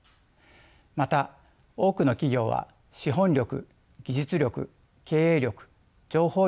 また多くの企業は資本力技術力経営力情報量に富んでいます。